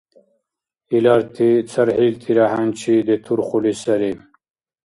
Иларти цархӀилтира хӀянчи детурхули сари.